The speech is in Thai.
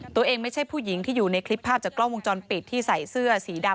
ตัวเองไม่ใช่ผู้หญิงที่อยู่ในคลิปภาพจากกล้องวงจรปิดที่ใส่เสื้อสีดำ